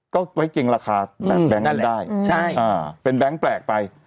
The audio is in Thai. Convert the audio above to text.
ก็ไว้เก็งราคาแบงก์กันได้เป็นแบงก์แปลกไป